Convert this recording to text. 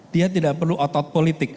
dia tidak perlu otot politik